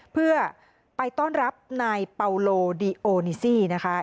เพื่อไปต้อนรับนายเปาโลดีโอนิซี่นะคะ